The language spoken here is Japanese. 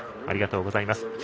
ありがとうございます。